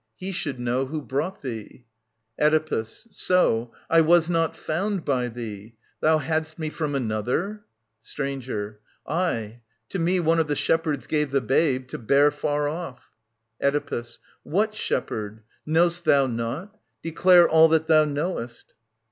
He should know Who brought thee. Oedipus. So : I was not found by thee. Thou hadst me irom another ? Stranger. Aye ; to me I One of the shepherds gave the babe, to bear Far off. Oedipus. What shepherd ? Know*st thou not ? Declare All that thou knowest.